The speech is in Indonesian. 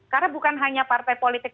karena bukan hanya partai politik